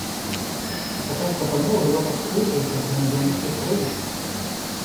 Такая прапанова была б адкрытай для грамадзян усіх краін.